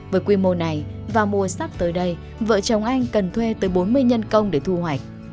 với quy mô này vào mùa sắp tới đây vợ chồng anh cần thuê tới bốn mươi nhân công để thu hoạch